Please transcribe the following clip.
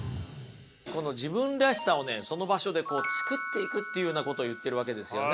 この自分らしさをねその場所で作っていくっていうようなことを言ってるわけですよね。